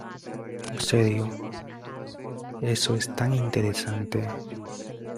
¿ En serio? Eso es tan interesante.